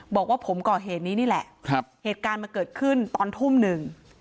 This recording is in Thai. บอกว่าผมก่อเหตุนี้นี่แหละครับเหตุการณ์มันเกิดขึ้นตอนทุ่มหนึ่ง